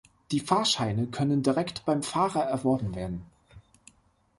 Die Fahrscheine können direkt beim Fahrer erworben werden.